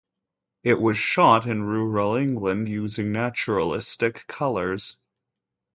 It was shot in rural England using naturalistic colours.